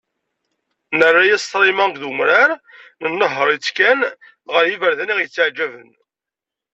Nerra-as ṣrima d umrar, nnehher-itt kan ɣer yiberdan i aɣ-yetteɛjaben.